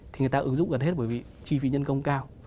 thì người ta ứng dụng gần hết bởi vì chi phí nhân công cao